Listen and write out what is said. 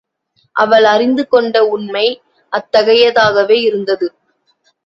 அவள் அறிந்துகொண்ட உண்மை அத்தகையதாகவே இருந்தது.